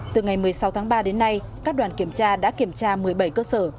từ ngày một mươi sáu tháng ba đến nay các đoàn kiểm tra đã kiểm tra một mươi bảy cơ sở